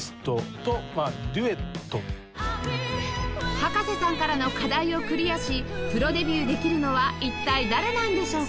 葉加瀬さんからの課題をクリアしプロデビューできるのは一体誰なんでしょうか？